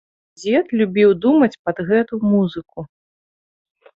Дзед любіў думаць пад гэту музыку.